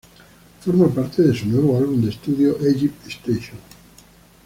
Forma parte de su nuevo álbum de estudio, "Egypt Station".